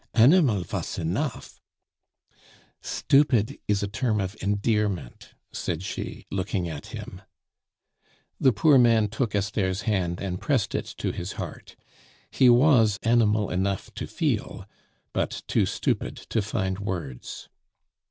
"Animal vas enough " "Stupid is a term of endearment," said she, looking at him. The poor man took Esther's hand and pressed it to his heart. He was animal enough to feel, but too stupid to find words.